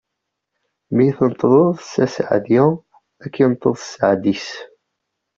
Mi tenṭeḍeḍ s aseɛdi, ad k-inṭeḍ seɛd-is.